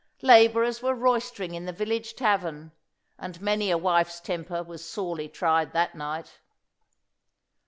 Labourers were roystering in the village tavern, and many a wife's temper was sorely tried that night.